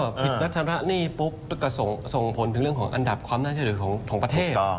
ผิดวัชระหนี้ปุ๊บก็ส่งผลถึงเรื่องของอันดับความน่าเชื่อถือของประเทศ